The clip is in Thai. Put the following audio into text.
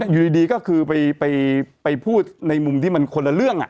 อยู่ดีก็คือไปพูดในมุมที่มันคนละเรื่อง